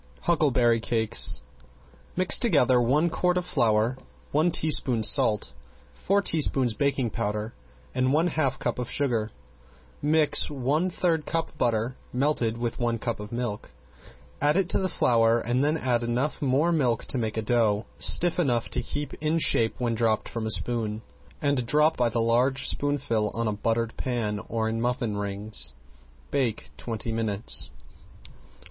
~HUCKLEBERRY CAKES~ Mix together one quart of flour, one teaspoon salt, four teaspoons baking powder and one half cup of sugar. Mix one third cup butter, melted with one cup of milk. Add it to the flour and then add enough more milk to make a dough stiff enough to keep in shape when dropped from a spoon. Flour one pint of berries, stir in quickly, and drop by the large spoonful on a buttered pan or in muffin rings. Bake twenty minutes.